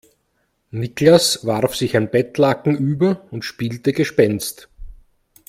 Niklas warf sich ein Bettlaken über und spielte Gespenst.